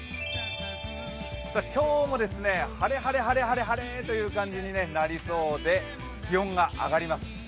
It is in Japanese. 今日も晴れ、晴れ、晴れ、晴れ晴れという感じになりそうで気温が上がります。